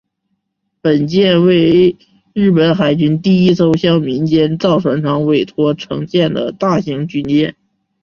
本舰为日本海军第一艘向民间造船厂委托承建的大型军舰。